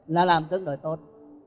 là làm rất là tốt